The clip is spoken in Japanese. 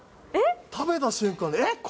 えっ、食べた瞬間、え？